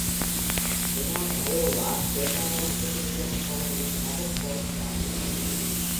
Bernard Iowa பெருநகர புள்ளிவிவரப் பகுதியின் டபுக் பகுதியாகும்.